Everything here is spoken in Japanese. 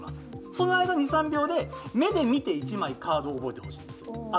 その間、２３秒で目で見て１枚カードを覚えてほしいんです。